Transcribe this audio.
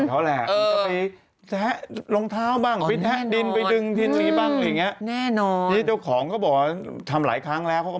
ถ้ายังไงเขาถึงไปทำโทษเจ้านมเย็น